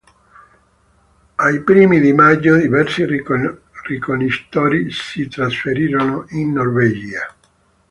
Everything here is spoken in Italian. Ai primi di maggio diversi ricognitori si trasferirono in Norvegia.